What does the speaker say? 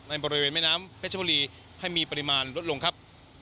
บริเวณแม่น้ำเพชรบุรีให้มีปริมาณลดลงครับ